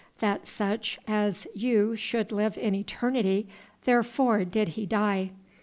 That such as you should live in eternity, therefore did He die....